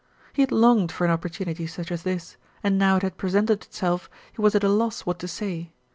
He had longed for an opportunity such as this, and now it had presented itself he was at a loss what to say.